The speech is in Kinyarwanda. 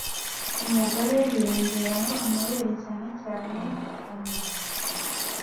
Ku mugore hiyongeraho amabere cyane cyane ku moko.